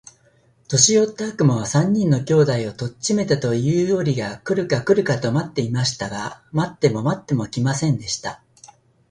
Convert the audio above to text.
年よった悪魔は、三人の兄弟を取っちめたと言うたよりが来るか来るかと待っていました。が待っても待っても来ませんでした。